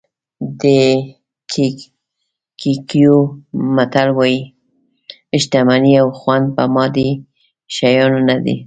د کیکویو متل وایي شتمني او خوند په مادي شیانو نه دي.